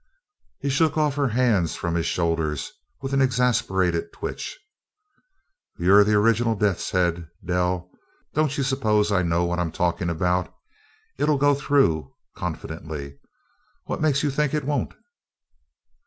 He shook off her hands from his shoulders with an exasperated twitch. "You're the original Death's Head, Dell! Don't you suppose I know what I'm talking about? It'll go through," confidently. "What's made you think it won't?"